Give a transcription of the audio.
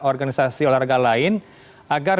organisasi olahraga lain agar